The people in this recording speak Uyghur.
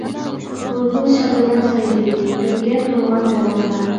بۇلبۇل شادىمان سايرىدى، گۈلگە تولغان بېغىمدا.